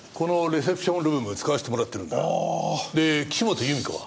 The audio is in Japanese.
で岸本由美子は？